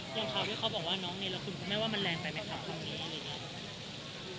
ข้าวที่เขาบอกว่าน้องเนรคุณคุณแม่ว่ามันแรงไปไหมครับตรงนี้